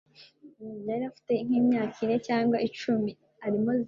yari afite nk’imyaka ine cyangwa icumi